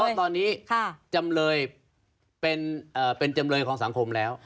เพราะตอนนี้จำเลยเป็นจำเลยของสังคมแล้ว